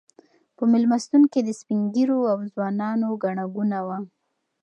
په مېلمستون کې د سپین ږیرو او ځوانانو ګڼه ګوڼه وه.